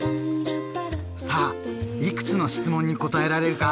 さあいくつの質問に答えられるか？